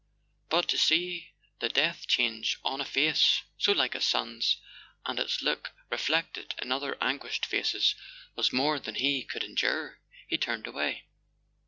But to see the death change on a face so like his son's, and its look reflected in other anguished faces, was more than he could en¬ dure. He turned away.